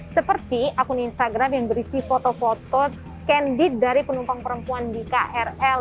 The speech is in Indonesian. seperti akun instagram yang berisi foto foto candid dari penumpang perempuan di krl